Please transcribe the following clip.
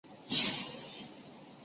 我们要去找以前的朋友